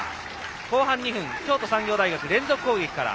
後半２分、京都産業大学連続攻撃から。